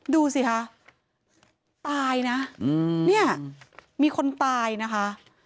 ดูสิคะตายนะเนี่ยมีคนตายนะคะ